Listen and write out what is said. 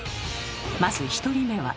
まず１人目は。